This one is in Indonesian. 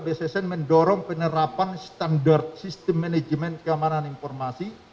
bssn mendorong penerapan standar sistem manajemen keamanan informasi